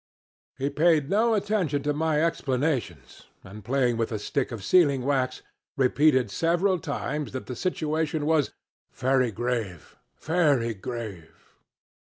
He paid no attention to my explanations, and, playing with a stick of sealing wax, repeated several times that the situation was 'very grave, very grave.'